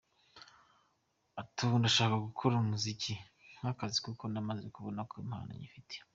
Ati “Ubu ndashaka gukora umuziki nk’akazi kuko namaze kubona ko impano nyifite.